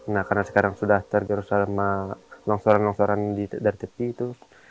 nah karena sekarang sudah tergerus sama longsoran longsoran dari tepi itu